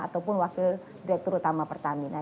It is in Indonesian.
ataupun wakil direktur utama pertamina